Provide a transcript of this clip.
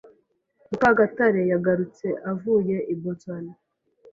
Mukagatare yagarutse avuye i Boston.